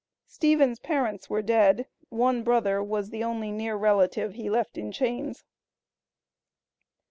Stephen's parents were dead; one brother was the only near relative he left in chains.